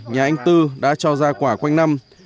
nhà anh tư đã cho ra quả quanh năm